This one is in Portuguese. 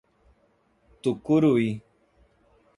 Tucuruí